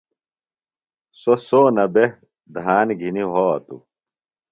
سوۡ سونہ بےۡ دھان گِھنیۡ وھاتوۡ۔